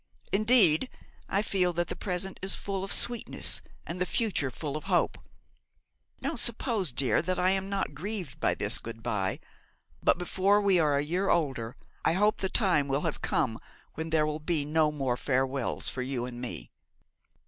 'Indeed, I feel that the present is full of sweetness, and the future full of hope. Don't suppose, dear, that I am not grieved at this good bye; but before we are a year older I hope the time will have come when there will be no more farewells for you and me.